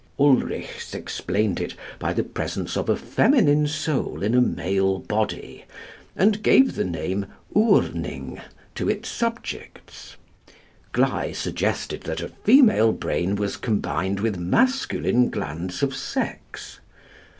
Ulrichs explained it by the presence of a feminine soul in a male body, and gave the name Urning to its subjects. Gley suggested that a female brain was combined with masculine glands of sex.